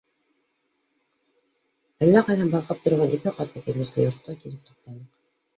Әллә ҡайҙан балҡып торған ике ҡатлы кирбесле йортҡа килеп туҡтаныҡ.